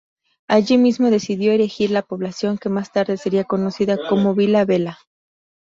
Allí mismo decidió erigir la población que más tarde sería conocida como "Vila Velha".